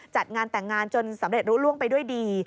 จัดงานแต่งงานจนสำเร็จรู้ล่วงไปด้วยดี